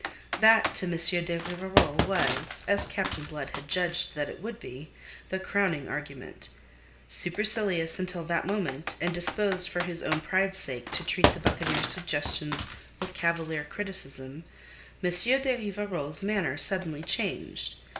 That to M. de Rivarol was as Captain Blood had judged that it would be the crowning argument. Supercilious until that moment, and disposed for his own pride's sake to treat the buccaneer's suggestions with cavalier criticism, M. de Rivarol's manner suddenly changed.